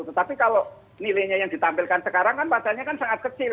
tetapi kalau nilainya yang ditampilkan sekarang kan padanya kan sangat kecil